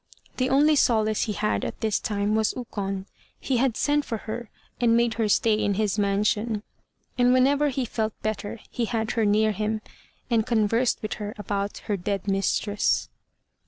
The only solace he had at this time was Ukon; he had sent for her, and made her stay in his mansion. And whenever he felt better he had her near him, and conversed with her about her dead mistress.